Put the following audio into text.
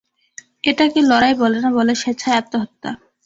এটাকে লড়াই বলে না, বলে স্বেচ্ছায় আত্মহত্যা!